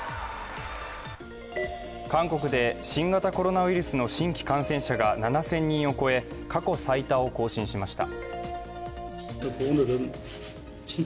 韓国で新型コロナウイルスの新規感染者が７０００人を超え過去最多を更新しました。